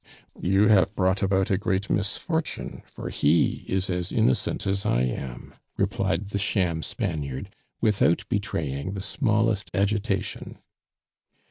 "You have brought about a great misfortune, for he is as innocent as I am," replied the sham Spaniard, without betraying the smallest agitation.